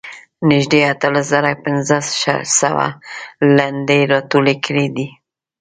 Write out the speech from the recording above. نږدې اتلس زره پنځه سوه لنډۍ راټولې کړې دي.